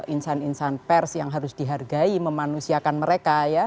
insan insan pers yang harus dihargai memanusiakan mereka ya